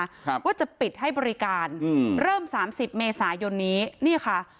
ครับว่าจะปิดให้บริการอืมเริ่มสามสิบเมษายนนี้นี่ค่ะ